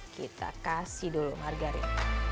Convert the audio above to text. kita kasih dulu margarin